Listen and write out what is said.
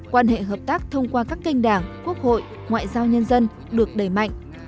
quan hệ hợp tác thông qua các kênh đảng quốc hội ngoại giao nhân dân được đẩy mạnh